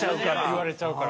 言われちゃうから。